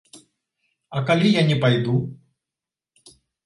А калі я не пайду?